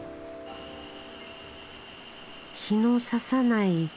日のささない